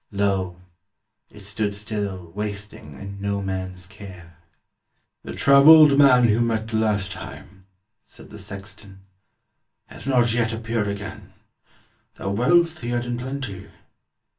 Lo, it stood still wasting In no man's care. "The travelled man you met The last time," said the sexton, "has not yet Appeared again, though wealth he had in plenty.